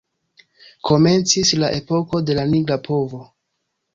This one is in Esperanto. Komencis la epoko de la nigra pulvo.